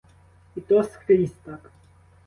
І то скрізь так.